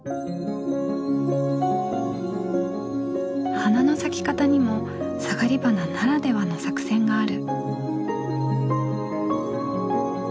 花の咲き方にもサガリバナならではの作戦がある。